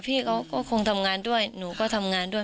พี่เขาก็คงทำงานด้วยหนูก็ทำงานด้วย